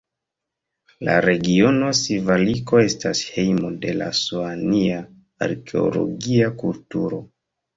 La regiono Sivaliko estas hejmo de la Soania arkeologia kulturo.